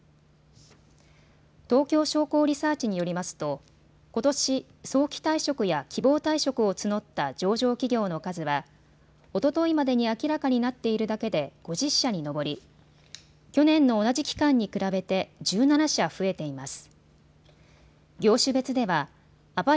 東京商工リサーチによりますとことし早期退職や希望退職を募った上場企業の数はおとといまでに明らかになっているだけで５０社に上り、去年の同じ期間に比べて１７社増えています。